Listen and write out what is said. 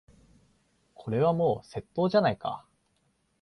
これはもう窃盗じゃないか。